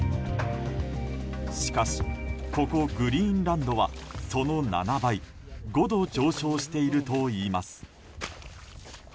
しかし、ここグリーンランドはその７倍５度上昇しているといいます。